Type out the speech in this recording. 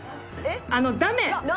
あのダメ！